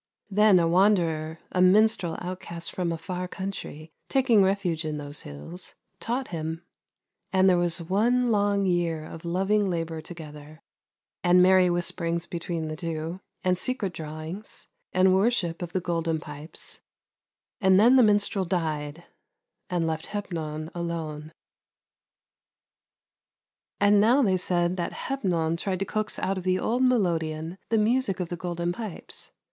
Then a wanderer, a minstrel outcast from a far country, taking refuge in those hills, taught him, and there was one long year of loving labour together, and merry whisperings between the two, and secret drawings, and worship of the Golden Pipes; and then the minstrel died, and left Hepnon alone. And now they said that Hepnon tried to coax out of the old melodeon the music of the Golden Pipes.